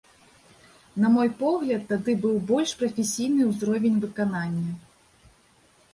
На мой погляд, тады быў больш прафесійны ўзровень выканання.